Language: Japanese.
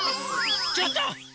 ちょっと！